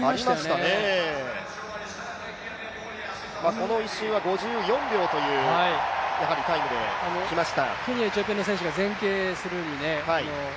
この１周は５４秒というタイムできました。